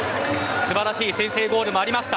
素晴らしい先制ゴールもありました。